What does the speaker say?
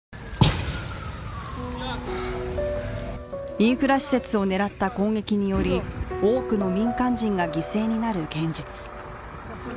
インフラ施設を狙った攻撃により多くの民間人が犠牲になる現実。